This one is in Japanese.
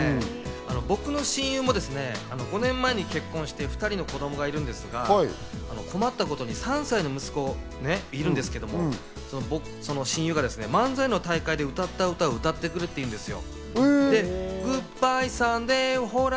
僕の親友も５年前に結婚して２人の子供がいるんですが、困ったことに３歳の息子ね、いるんですけど、その親友がですね、漫才の大会で歌った歌を歌ってくれっていうんですよ。